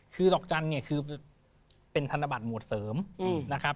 คือดอกจันทร์เนี่ยคือเป็นธนบัตรหมวดเสริมนะครับ